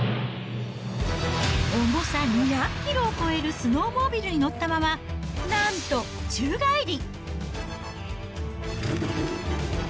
重さ２００キロを超えるスノーモービルに乗ったまま、なんと宙返り。